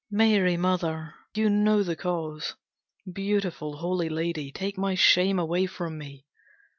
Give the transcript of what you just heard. Mary Mother, you know the cause! Beautiful Holy Lady, take my shame away from me!